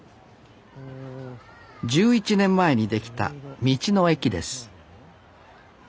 １１年前に出来た道の駅です